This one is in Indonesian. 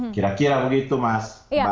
kira kira begitu mas